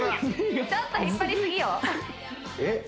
ちょっと引っ張りすぎよえっ？